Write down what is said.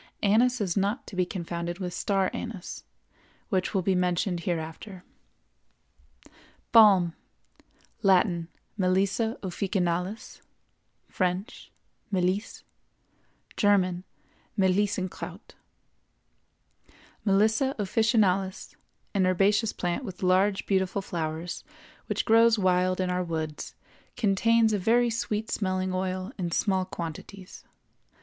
Anise is not to be confounded with star anise, which will be mentioned hereafter. BALM. Latin—Melissa officinalis; French—Melisse; German—Melissenkraut. Melissa officinalis, an herbaceous plant with large, beautiful flowers, which grows wild in our woods, contains a very sweet smelling oil in small quantities.